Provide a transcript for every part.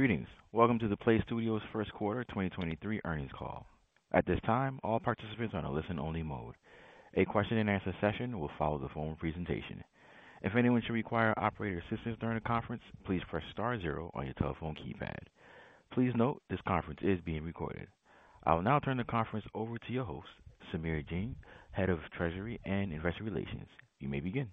Greetings. Welcome to the PLAYSTUDIOS first quarter 2023 earnings call. At this time, all participants are on a listen-only mode. A question-and-answer session will follow the phone presentation. If anyone should require operator assistance during the conference, please press star zero on your telephone keypad. Please note this conference is being recorded. I will now turn the conference over to your host, Samir Jain, Head of Treasury and Investor Relations. You may begin.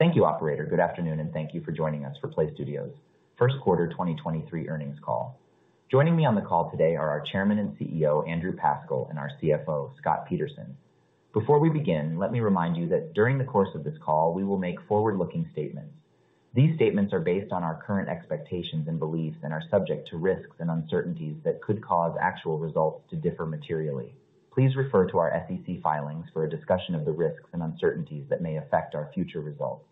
Thank you, operator. Good afternoon, and thank you for joining us for PLAYSTUDIOS first quarter 2023 earnings call. Joining me on the call today are our Chairman and CEO, Andrew Pascal, and our CFO, Scott Peterson. Before we begin, let me remind you that during the course of this call, we will make forward-looking statements. These statements are based on our current expectations and beliefs and are subject to risks and uncertainties that could cause actual results to differ materially. Please refer to our SEC filings for a discussion of the risks and uncertainties that may affect our future results.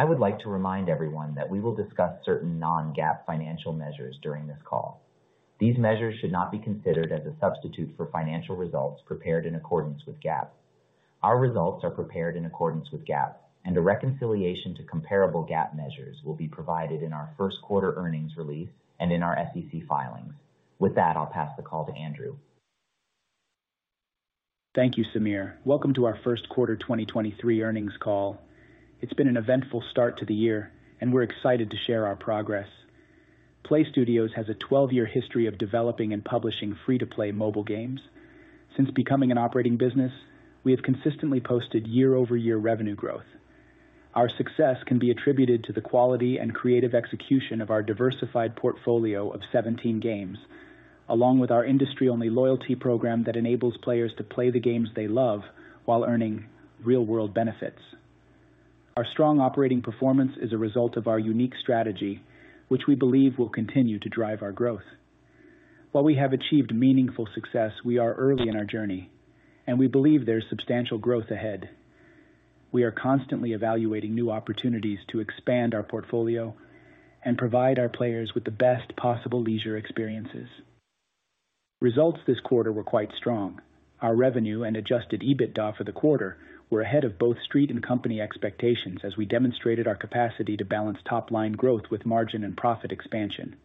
I would like to remind everyone that we will discuss certain non-GAAP financial measures during this call. These measures should not be considered as a substitute for financial results prepared in accordance with GAAP. Our results are prepared in accordance with GAAP, and a reconciliation to comparable GAAP measures will be provided in our first quarter earnings release and in our SEC filings. With that, I'll pass the call to Andrew. Thank you, Samir. Welcome to our first quarter 2023 earnings call. It's been an eventful start to the year, and we're excited to share our progress. PLAYSTUDIOS has a 12-year history of developing and publishing free-to-play mobile games. Since becoming an operating business, we have consistently posted year-over-year revenue growth. Our success can be attributed to the quality and creative execution of our diversified portfolio of 17 games, along with our industry-only loyalty program that enables players to play the games they love while earning real-world benefits. Our strong operating performance is a result of our unique strategy, which we believe will continue to drive our growth. While we have achieved meaningful success, we are early in our journey, and we believe there is substantial growth ahead. We are constantly evaluating new opportunities to expand our portfolio and provide our players with the best possible leisure experiences. Results this quarter were quite strong. Our revenue and adjusted EBITDA for the quarter were ahead of both street and company expectations as we demonstrated our capacity to balance top-line growth with margin and profit expansion.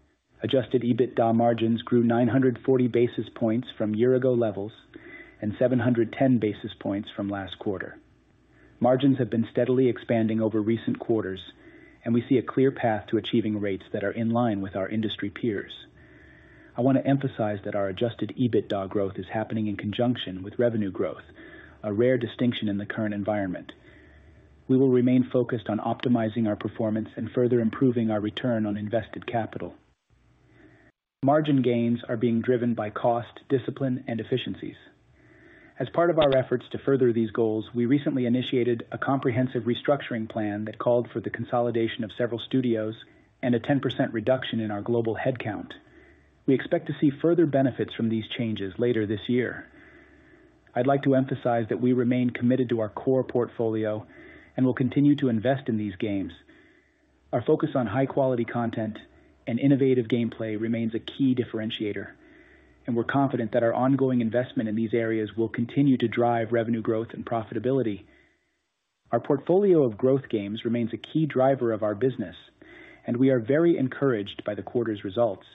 adjusted EBITDA margins grew 940 basis points from year-ago levels and 710 basis points from last quarter. Margins have been steadily expanding over recent quarters, and we see a clear path to achieving rates that are in line with our industry peers. I want to emphasize that our adjusted EBITDA growth is happening in conjunction with revenue growth, a rare distinction in the current environment. We will remain focused on optimizing our performance and further improving our return on invested capital. Margin gains are being driven by cost, discipline, and efficiencies. As part of our efforts to further these goals, we recently initiated a comprehensive restructuring plan that called for the consolidation of several studios and a 10% reduction in our global headcount. We expect to see further benefits from these changes later this year. I'd like to emphasize that we remain committed to our core portfolio and will continue to invest in these games. Our focus on high-quality content and innovative gameplay remains a key differentiator, and we're confident that our ongoing investment in these areas will continue to drive revenue growth and profitability. Our portfolio of growth games remains a key driver of our business, and we are very encouraged by the quarter's results.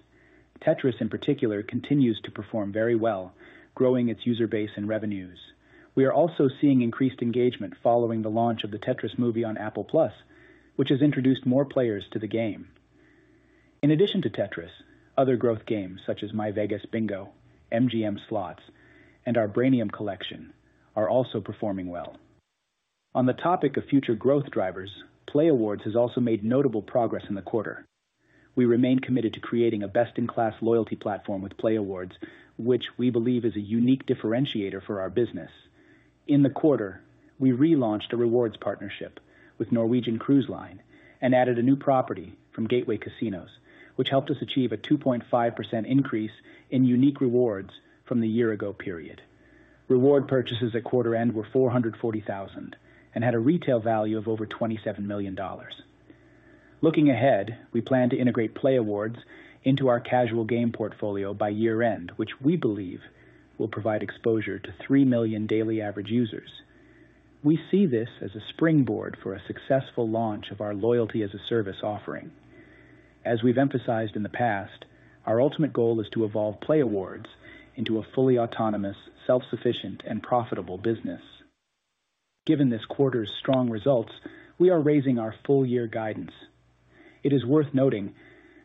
Tetris, in particular, continues to perform very well, growing its user base and revenues. We are also seeing increased engagement following the launch of the Tetris movie on Apple TV+, which has introduced more players to the game. In addition to Tetris, other growth games such as myVEGAS Bingo, MGM Slots, and our Brainium Collection are also performing well. On the topic of future growth drivers, playAWARDS has also made notable progress in the quarter. We remain committed to creating a best-in-class loyalty platform with playAWARDS, which we believe is a unique differentiator for our business. In the quarter, we relaunched a rewards partnership with Norwegian Cruise Line and added a new property from Gateway Casinos, which helped us achieve a 2.5% increase in unique rewards from the year-ago period. Reward purchases at quarter end were 440,000 and had a retail value of over $27 million. Looking ahead, we plan to integrate playAWARDS into our casual game portfolio by year end, which we believe will provide exposure to three million daily average users. We see this as a springboard for a successful launch of our loyalty as a service offering. As we've emphasized in the past, our ultimate goal is to evolve playAWARDS into a fully autonomous, self-sufficient, and profitable business. Given this quarter's strong results, we are raising our full-year guidance. It is worth noting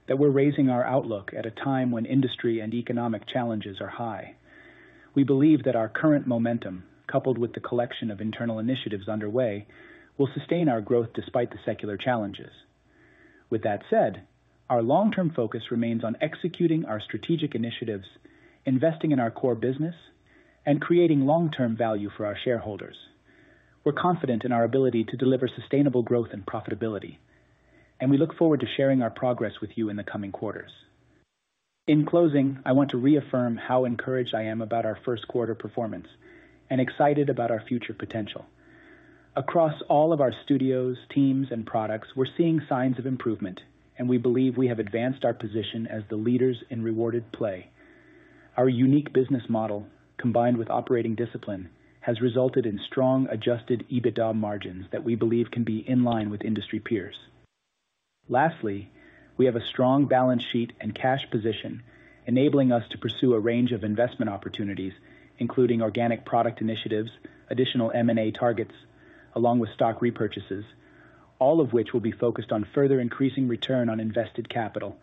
that we're raising our outlook at a time when industry and economic challenges are high. We believe that our current momentum, coupled with the collection of internal initiatives underway, will sustain our growth despite the secular challenges. Our long-term focus remains on executing our strategic initiatives, investing in our core business, and creating long-term value for our shareholders. We're confident in our ability to deliver sustainable growth and profitability. We look forward to sharing our progress with you in the coming quarters. In closing, I want to reaffirm how encouraged I am about our first quarter performance and excited about our future potential. Across all of our studios, teams, and products, we're seeing signs of improvement. We believe we have advanced our position as the leaders in rewarded play. Our unique business model, combined with operating discipline, has resulted in strong adjusted EBITDA margins that we believe can be in line with industry peers. Lastly, we have a strong balance sheet and cash position, enabling us to pursue a range of investment opportunities, including organic product initiatives, additional M&A targets, along with stock repurchases, all of which will be focused on further increasing return on invested capital.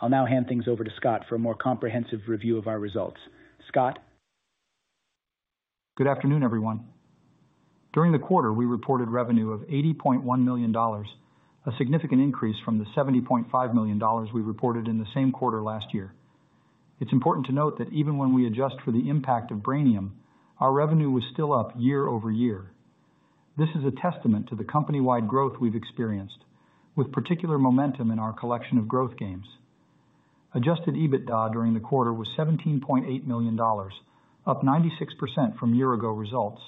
I'll now hand things over to Scott for a more comprehensive review of our results. Scott? Good afternoon, everyone. During the quarter, we reported revenue of $80.1 million, a significant increase from the $70.5 million we reported in the same quarter last year. It's important to note that even when we adjust for the impact of Brainium, our revenue was still up year-over-year. This is a testament to the company-wide growth we've experienced, with particular momentum in our collection of growth games. Adjusted EBITDA during the quarter was $17.8 million, up 96% from year-ago results.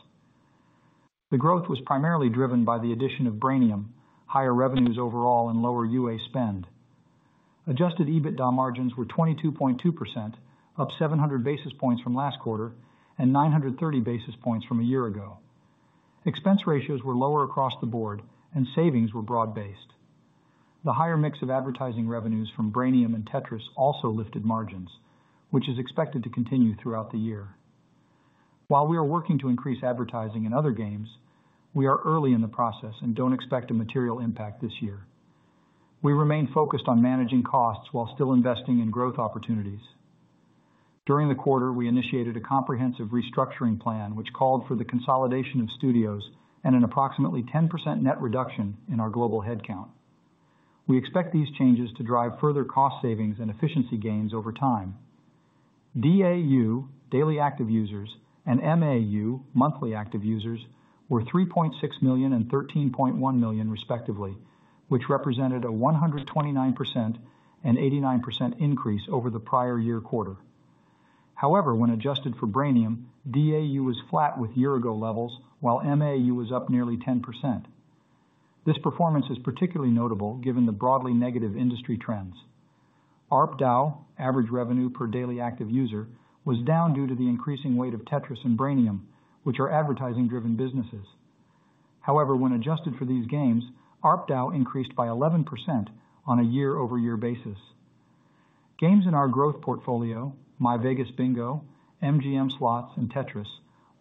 The growth was primarily driven by the addition of Brainium, higher revenues overall and lower UA spend. Adjusted EBITDA margins were 22.2%, up 700 basis points from last quarter and 930 basis points from a year-ago. Expense ratios were lower across the board and savings were broad-based. The higher mix of advertising revenues from Brainium and Tetris also lifted margins, which is expected to continue throughout the year. While we are working to increase advertising in other games, we are early in the process and don't expect a material impact this year. We remain focused on managing costs while still investing in growth opportunities. During the quarter, we initiated a comprehensive restructuring plan which called for the consolidation of studios and an approximately 10% net reduction in our global headcount. We expect these changes to drive further cost savings and efficiency gains over time. DAU, daily active users, and MAU, monthly active users, were 3.6 million and 13.1 million respectively, which represented a 129% and 89% increase over the prior year quarter. When adjusted for Brainium, DAU was flat with year-ago levels, while MAU was up nearly 10%. This performance is particularly notable given the broadly negative industry trends. ARPDAU, average revenue per daily active user, was down due to the increasing weight of Tetris and Brainium, which are advertising-driven businesses. When adjusted for these games, ARPDAU increased by 11% on a year-over-year basis. Games in our growth portfolio, myVEGAS Bingo, MGM Slots, and Tetris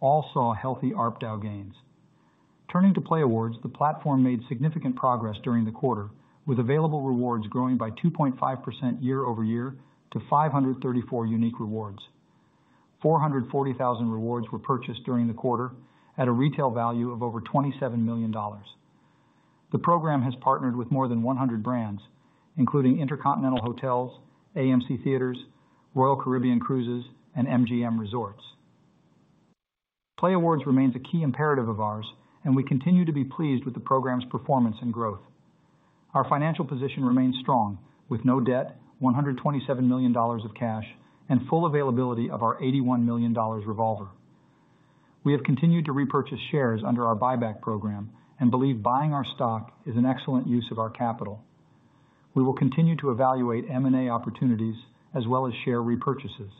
all saw healthy ARPDAU gains. Turning to playAWARDS, the platform made significant progress during the quarter, with available rewards growing by 2.5% year-over-year to 534 unique rewards. 440,000 rewards were purchased during the quarter at a retail value of over $27 million. The program has partnered with more than 100 brands, including InterContinental Hotels, AMC Theatres, Royal Caribbean Cruises, and MGM Resorts. playAWARDS remains a key imperative of ours, and we continue to be pleased with the program's performance and growth. Our financial position remains strong with no debt, $127 million of cash, and full availability of our $81 million revolver. We have continued to repurchase shares under our buyback program and believe buying our stock is an excellent use of our capital. We will continue to evaluate M&A opportunities as well as share repurchases.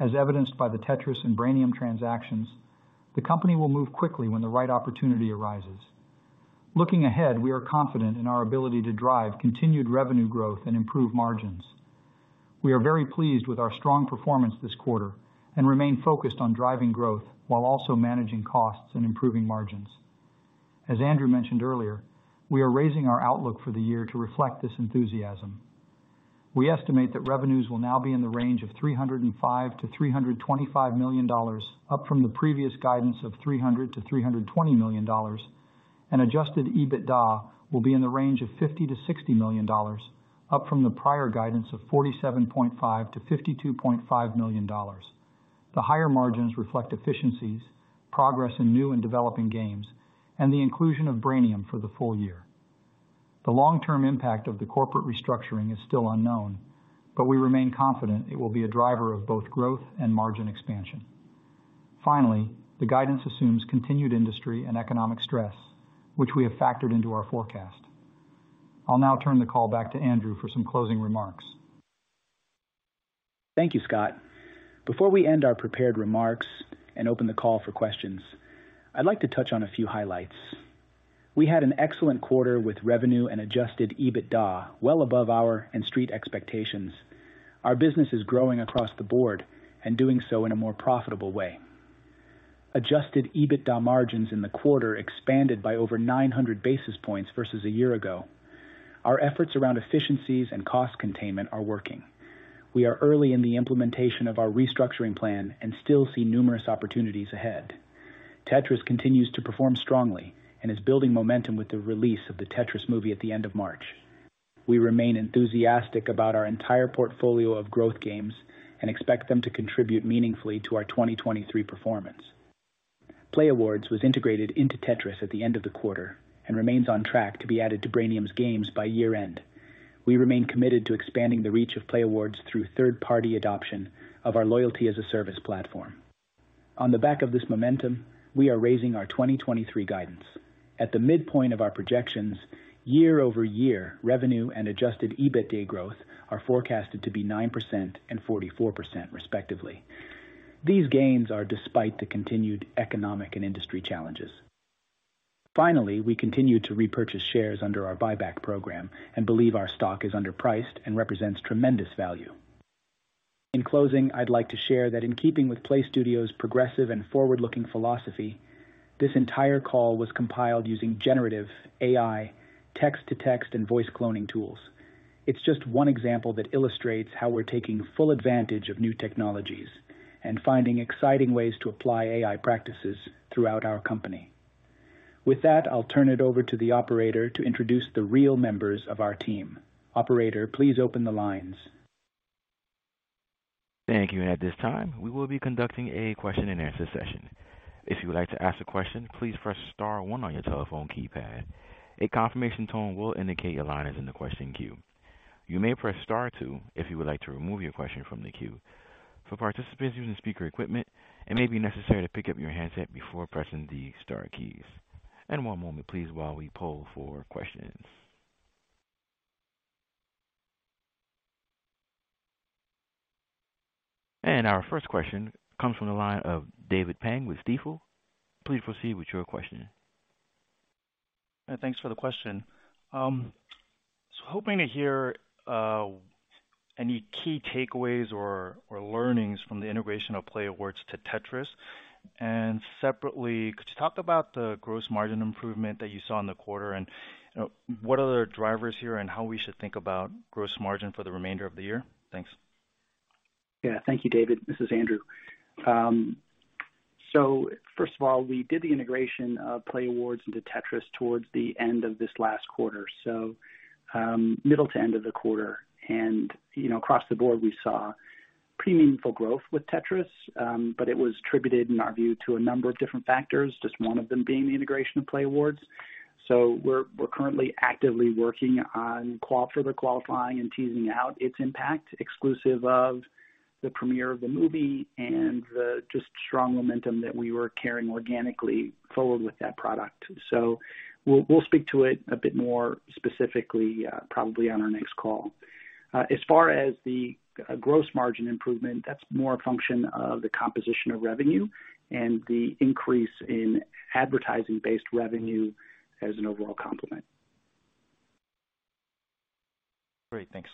As evidenced by the Tetris and Brainium transactions, the company will move quickly when the right opportunity arises. Looking ahead, we are confident in our ability to drive continued revenue growth and improve margins. We are very pleased with our strong performance this quarter and remain focused on driving growth while also managing costs and improving margins. As Andrew mentioned earlier, we are raising our outlook for the year to reflect this enthusiasm. We estimate that revenues will now be in the range of $305 million-$325 million, up from the previous guidance of $300 million-$320 million. Adjusted EBITDA will be in the range of $50 million-$60 million, up from the prior guidance of $47.5 million-$52.5 million. The higher margins reflect efficiencies, progress in new and developing games, and the inclusion of Brainium for the full year. The long-term impact of the corporate restructuring is still unknown, but we remain confident it will be a driver of both growth and margin expansion. Finally, the guidance assumes continued industry and economic stress, which we have factored into our forecast. I'll now turn the call back to Andrew for some closing remarks. Thank you, Scott. Before we end our prepared remarks and open the call for questions, I'd like to touch on a few highlights. We had an excellent quarter with revenue and adjusted EBITDA well above our and street expectations. Our business is growing across the board and doing so in a more profitable way. Adjusted EBITDA margins in the quarter expanded by over 900 basis points versus a year ago. Our efforts around efficiencies and cost containment are working. We are early in the implementation of our restructuring plan and still see numerous opportunities ahead. Tetris continues to perform strongly and is building momentum with the release of the Tetris movie at the end of March. We remain enthusiastic about our entire portfolio of growth games and expect them to contribute meaningfully to our 2023 performance. playAWARDS was integrated into Tetris at the end of the quarter and remains on track to be added to Brainium's games by year-end. We remain committed to expanding the reach of playAWARDS through third-party adoption of our loyalty as a service platform. On the back of this momentum, we are raising our 2023 guidance. At the midpoint of our projections, year-over-year revenue and adjusted EBITDA growth are forecasted to be 9% and 44% respectively. These gains are despite the continued economic and industry challenges. We continue to repurchase shares under our buyback program and believe our stock is underpriced and represents tremendous value. In closing, I'd like to share that in keeping with PLAYSTUDIOS' progressive and forward-looking philosophy, this entire call was compiled using generative AI, text-to-text, and voice cloning tools. It's just one example that illustrates how we're taking full advantage of new technologies and finding exciting ways to apply AI practices throughout our company. I'll turn it over to the operator to introduce the real members of our team. Operator, please open the lines. Thank you. At this time, we will be conducting a question-and-answer session. If you would like to ask a question, please press star one on your telephone keypad. A confirmation tone will indicate your line is in the question queue. You may press star two if you would like to remove your question from the queue. For participants using speaker equipment, it may be necessary to pick up your handset before pressing the star keys. One moment please while we poll for questions. Our first question comes from the line of David Pang with Stifel. Please proceed with your question. Thanks for the question. Hoping to hear any key takeaways or learnings from the integration of playAWARDS to Tetris. Separately, could you talk about the gross margin improvement that you saw in the quarter and what are the drivers here, and how we should think about gross margin for the remainder of the year? Thanks. Yeah. Thank you, David. This is Andrew. First of all, we did the integration of playAWARDS into Tetris towards the end of this last quarter, middle to end of the quarter. You know, across the board, we saw pretty meaningful growth with Tetris, but it was attributed, in our view, to a number of different factors, just one of them being the integration of playAWARDS. We're currently actively working on further qualifying and teasing out its impact exclusive of the premiere of the movie and the just strong momentum that we were carrying organically forward with that product. We'll speak to it a bit more specifically, probably on our next call. As far as the gross margin improvement, that's more a function of the composition of revenue and the increase in advertising-based revenue as an overall complement. Great. Thanks.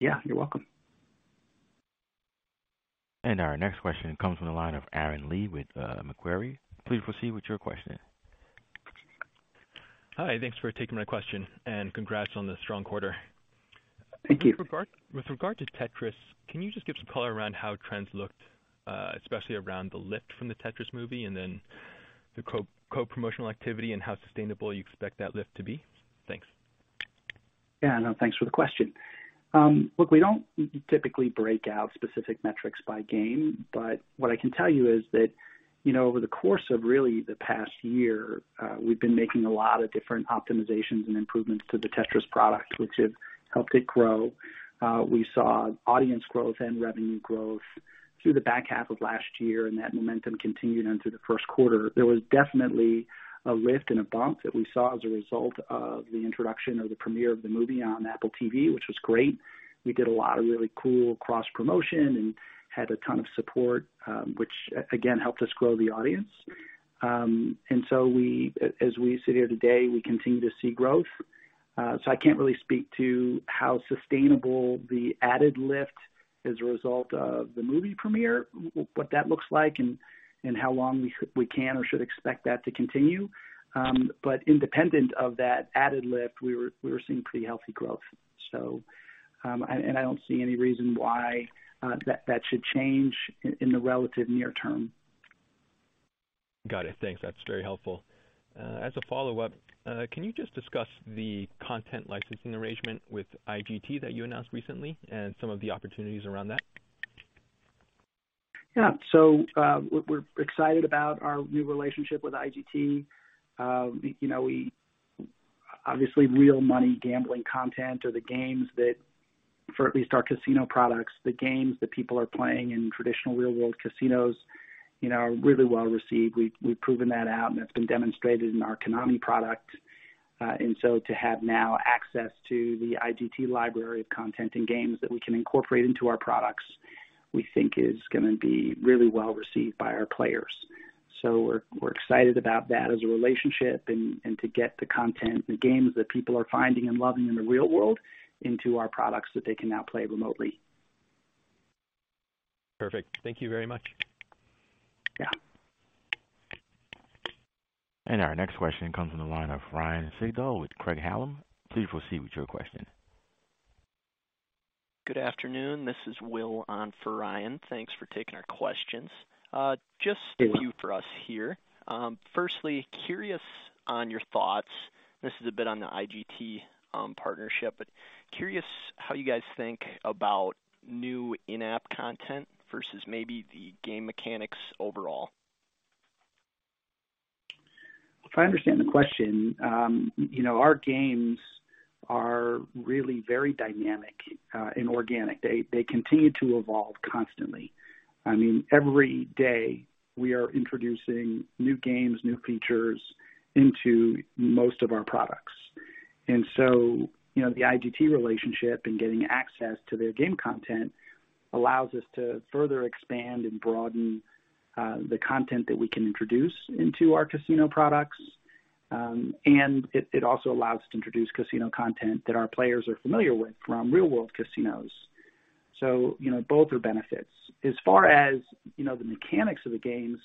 Yeah, you're welcome. Our next question comes from the line of Aaron Lee with Macquarie. Please proceed with your question. Hi. Thanks for taking my question, and congrats on the strong quarter. Thank you. With regard to Tetris, can you just give some color around how trends looked, especially around the lift from the Tetris movie and then the co-promotional activity and how sustainable you expect that lift to be? Thanks. Yeah, no, thanks for the question. Look, we don't typically break out specific metrics by game, but what I can tell you is that, you know, over the course of really the past year, we've been making a lot of different optimizations and improvements to the Tetris product, which have helped it grow. We saw audience growth and revenue growth through the back half of last year, and that momentum continued into the first quarter. There was definitely a lift and a bump that we saw as a result of the introduction of the premiere of the movie on Apple TV+, which was great. We did a lot of really cool cross-promotion and had a ton of support, which again helped us grow the audience. As we sit here today, we continue to see growth. I can't really speak to how sustainable the added lift as a result of the movie premiere, what that looks like and how long we can or should expect that to continue. Independent of that added lift, we were seeing pretty healthy growth. I don't see any reason why that should change in the relative near term. Got it. Thanks. That's very helpful. As a follow-up, can you just discuss the content licensing arrangement with IGT that you announced recently and some of the opportunities around that? We're excited about our new relationship with IGT. you know, obviously real money gambling content or the games that for at least our casino products, the games that people are playing in traditional real world casinos, you know, are really well received. We've proven that out, and that's been demonstrated in our Konami product. to have now access to the IGT library of content and games that we can incorporate into our products, we think is gonna be really well received by our players. We're excited about that as a relationship and to get the content and games that people are finding and loving in the real world into our products that they can now play remotely. Perfect. Thank you very much. Yeah. Our next question comes from the line of Ryan Sigdahl with Craig-Hallum. Please proceed with your question. Good afternoon. This is Will on for Ryan. Thanks for taking our questions. Hey, Will. A few for us here. Firstly, curious on your thoughts, and this is a bit on the IGT partnership, but curious how you guys think about new in-app content versus maybe the game mechanics over? If I understand the question, you know, our games are really very dynamic and organic. They continue to evolve constantly. I mean, every day we are introducing new games, new features into most of our products. You know, the IGT relationship and getting access to their game content allows us to further expand and broaden the content that we can introduce into our casino products. And it also allows us to introduce casino content that our players are familiar with from real world casinos. You know, both are benefits. As far as, you know, the mechanics of the games,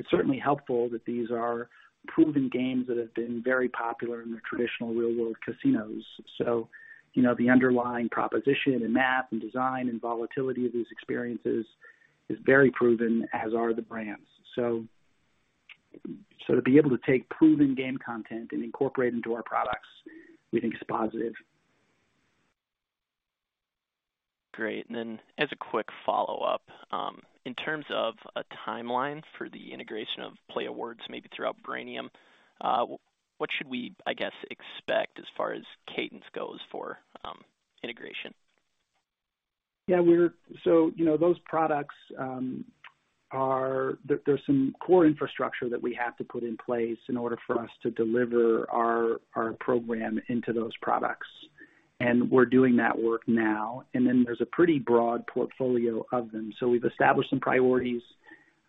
it's certainly helpful that these are proven games that have been very popular in the traditional real world casinos. You know, the underlying proposition and math and design and volatility of these experiences is very proven, as are the brands. To be able to take proven game content and incorporate into our products we think is positive. Great. As a quick follow-up, in terms of a timeline for the integration of playAWARDS, maybe throughout Brainium, what should we, I guess, expect as far as cadence goes for integration? Yeah, you know, those products, There's some core infrastructure that we have to put in place in order for us to deliver our program into those products, and we're doing that work now. There's a pretty broad portfolio of them. We've established some priorities,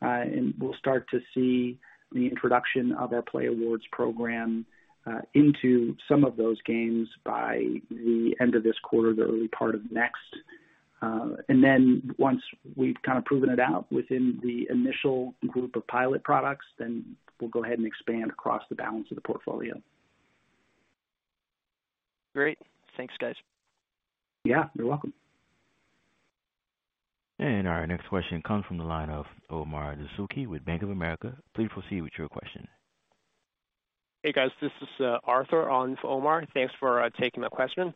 and we'll start to see the introduction of our playAWARDS program into some of those games by the end of this quarter, the early part of next. Once we've kind of proven it out within the initial group of pilot products, then we'll go ahead and expand across the balance of the portfolio. Great. Thanks, guys. Yeah, you're welcome. Our next question comes from the line of Omar Dessouky with Bank of America. Please proceed with your question. Hey, guys, this is Arthur on for Omar. Thanks for taking my question.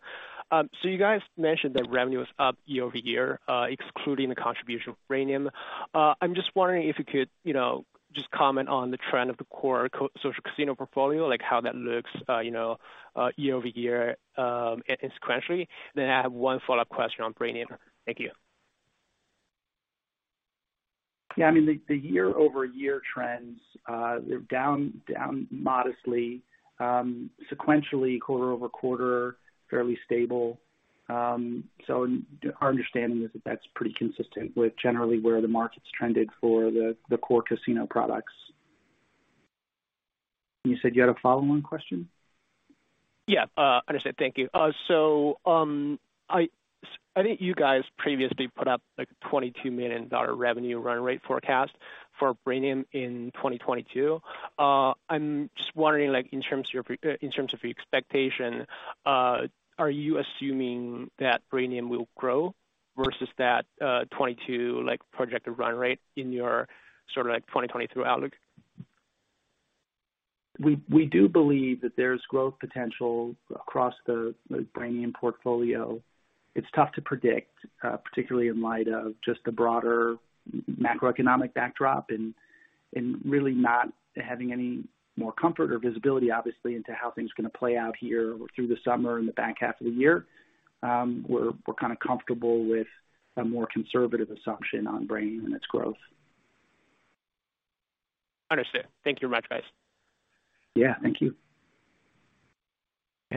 You guys mentioned that revenue was up year-over-year, excluding the contribution of Brainium. I'm just wondering if you could, you know, just comment on the trend of the core social casino portfolio, like how that looks, you know, year-over-year and sequentially. I have one follow-up question on Brainium. Thank you. Yeah. I mean, the year-over-year trends, they're down modestly. Sequentially, quarter-over-quarter, fairly stable. Our understanding is that that's pretty consistent with generally where the market's trended for the core casino products. You said you had a follow-on question? Yeah, understood. Thank you. I think you guys previously put up like $22 million revenue run rate forecast for Brainium in 2022. I'm just wondering, like in terms of your expectation, are you assuming that Brainium will grow versus that 22 like projected run rate in your sort of like 2022 outlook? We do believe that there's growth potential across the Brainium portfolio. It's tough to predict, particularly in light of just the broader macroeconomic backdrop and really not having any more comfort or visibility, obviously, into how things are gonna play out here through the summer and the back half of the year. We're kind of comfortable with a more conservative assumption on Brainium and its growth. Understood. Thank you much, guys. Yeah, thank you.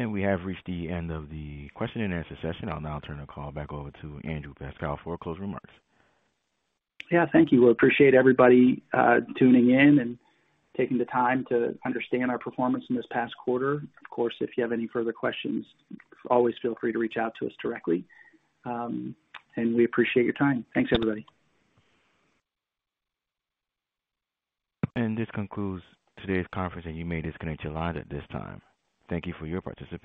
We have reached the end of the question and answer session. I'll now turn the call back over to Andrew Pascal for closing remarks. Yeah, thank you. Appreciate everybody, tuning in and taking the time to understand our performance in this past quarter. Of course, if you have any further questions, always feel free to reach out to us directly. We appreciate your time. Thanks, everybody. This concludes today's conference, and you may disconnect your line at this time. Thank you for your participation.